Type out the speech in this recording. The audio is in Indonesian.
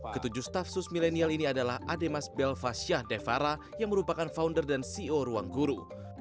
ketujuh staff sus milenial ini adalah ademas bel fasyah defara yang merupakan founder dan ceo ruangguru